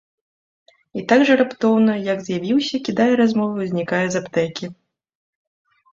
І так жа раптоўна, як з'явіўся, кідае размову і знікае з аптэкі.